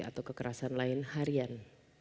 atau kekerasan lain harian